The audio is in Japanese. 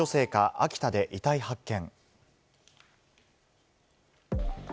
秋田で遺体発見。